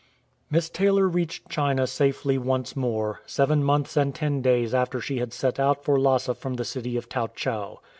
Miss Taylor reached China safely once more, seven months and ten days after she had set out for Lhasa from the city of Tau chau.